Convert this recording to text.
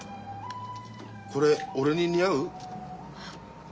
これ俺に似合う？